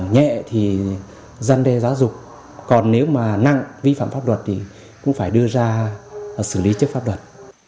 nhẹ thì dân đe giáo dục còn nếu mà năng vi phạm pháp luật thì cũng phải đưa ra xử lý chức pháp luật